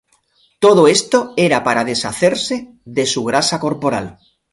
Todo esto era para deshacerse de su grasa corporal.